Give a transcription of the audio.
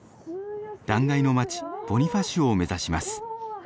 断崖の町ボニファシオを目指します。